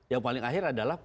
yang paling akhir adalah